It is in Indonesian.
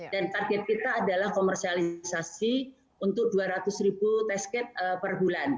dan target kita adalah komersialisasi untuk dua ratus ribu test ked per bulan